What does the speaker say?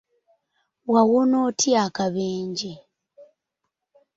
Wawona otya akabenje?